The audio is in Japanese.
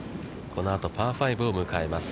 このあと、パー５を迎えます。